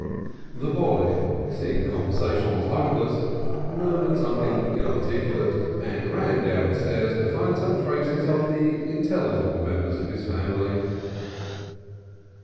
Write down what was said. The boy, seeing conversation was hopeless, murmured something inarticulate and ran down the stairs to find some traces of the intelligible members of his family.